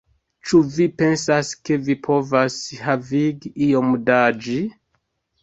Ĉu vi pensas, ke vi povas havigi iom da ĝi?